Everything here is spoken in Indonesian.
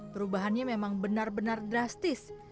perubahannya memang benar benar drastis